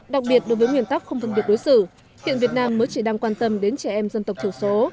đặc biệt đối với nguyên tắc không phân biệt đối xử hiện việt nam mới chỉ đang quan tâm đến trẻ em dân tộc thiểu số